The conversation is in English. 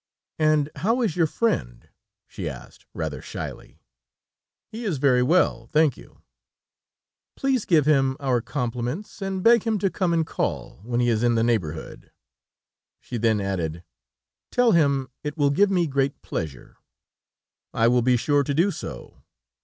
"And how is your friend?" she asked, rather shyly. "He is very well, thank you." "Please give him our compliments, and beg him to come and call, when he is in the neighborhood." She then added: "Tell him it will give me great pleasure." "I will be sure to do so.